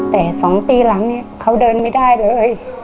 แต่๒ปีหลังเนี่ยเขาเดินไม่ได้เลย